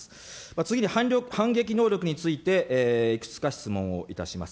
次に反撃能力について、いくつか質問をいたします。